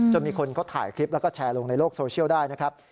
มีคนเขาถ่ายคลิปแล้วก็แชร์ลงในโลกโซเชียลได้นะครับ